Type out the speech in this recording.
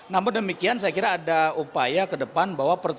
namun demikian saya kira ada upaya ke depan bahwa pertumbuhan